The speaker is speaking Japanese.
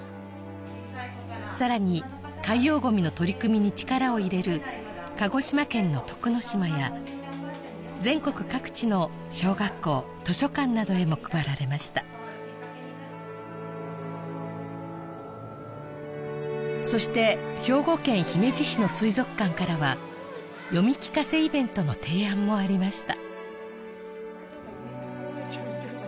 さらに海洋ごみの取り組みに力を入れる鹿児島県の徳之島や全国各地の小学校図書館などへも配られましたそして兵庫県姫路市の水族館からは読み聞かせイベントの提案もありました